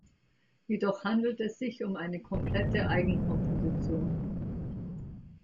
Jedoch handelt es sich um eine komplette Eigenkomposition.